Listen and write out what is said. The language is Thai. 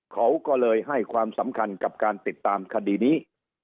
เขาก็เลยให้ความสำคัญกับการติดตามคดีนี้